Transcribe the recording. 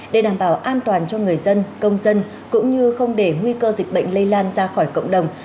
để đảm bảo an toàn cho người dân công dân cũng như không để nguy cơ dịch bệnh lây lan ra khỏi cộng đồng